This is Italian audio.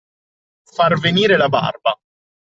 Far venire la barba.